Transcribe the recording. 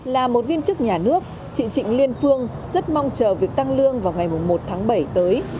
là một viên chức nhà nước chị trịnh liên phương rất mong chờ việc tăng lương vào ngày một tháng bảy tới